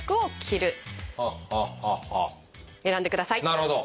なるほど！